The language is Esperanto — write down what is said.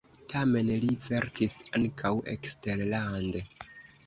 Tamen li verkis ankaŭ eksterlande.